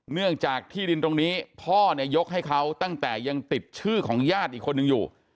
เนื่องจากที่ดินตรงนี้พ่อเนี่ยยกให้เขาตั้งแต่ยังติดชื่อของญาติอีกคนนึงอยู่